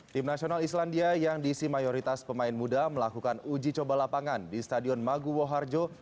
tim nasional islandia yang diisi mayoritas pemain muda melakukan uji coba lapangan di stadion maguwo harjo